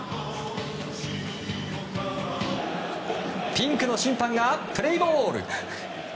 ピンクの審判がプレーボール。